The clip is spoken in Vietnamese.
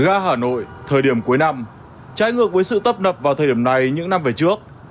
ga hà nội thời điểm cuối năm trái ngược với sự tấp nập vào thời điểm này những năm về trước